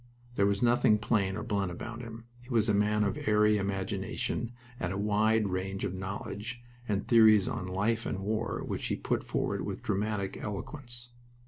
There was nothing plain or blunt about him. He was a man of airy imagination and a wide range of knowledge, and theories on life and war which he put forward with dramatic eloquence.